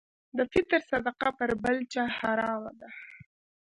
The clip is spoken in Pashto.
د فطر صدقه پر بل چا حرامه ده.